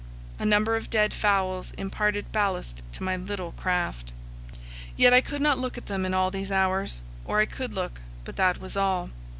A number of dead fowls imparted ballast to my little craft. Yet I could not look at them in all these hours; or I could look, but that was all.